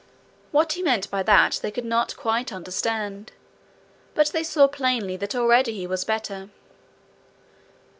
What he meant they could not quite understand, but they saw plainly that already he was better.